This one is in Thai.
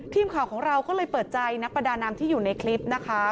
ทีมข่าวของเราก็เลยเปิดใจนักประดาน้ำที่อยู่ในคลิปนะคะ